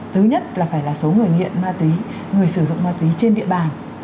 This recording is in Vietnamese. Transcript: thứ nhất là phải là số người nghiện ma túy người sử dụng ma túy trên địa bàn